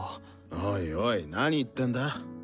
おいおいなに言ってんだ？